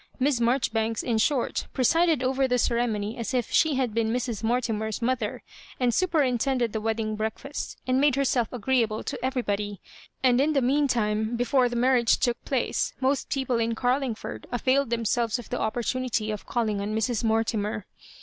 Miss Maijori banks, in short, presided over the ceremony as if she had been Mrs. Mortimer s mother, and super intended the wedding breakfast, and made herself agreeable to everybody. And in the meantime, before the marriage took place, most people in Carlingford avaQ^ themselves of the opportu nity of calling on Mrs. Mortimer.